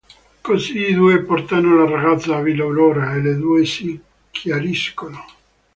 Così i due portano la ragazza a Villa Aurora e le due si chiariscono.